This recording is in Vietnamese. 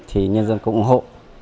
thì nhân dân cũng ủng hộ